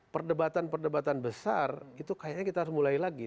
perdebatan perdebatan besar itu kayaknya kita harus mulai lagi